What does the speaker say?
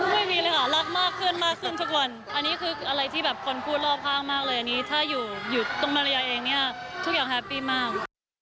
ไม่มีเลยค่ะรักมากขึ้นมากขึ้นทุกวันอันนี้คืออะไรที่แบบคนพูดรอบข้างมากเลยอันนี้ถ้าอยู่ตรงมาเรียเองเนี่ยทุกอย่างแฮปปี้มาก